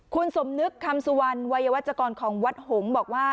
คุณสมนึกคำสุวรรณวัยวัชกรของวัดหงษ์บอกว่า